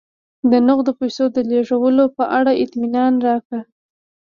د نغدو پیسو د لېږلو په اړه اطمینان راکړه.